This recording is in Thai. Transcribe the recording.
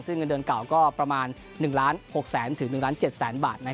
ซึ่งเงินเดือนเก่าก็ประมาณ๑ล้าน๖แสนถึง๑ล้าน๗แสนบาท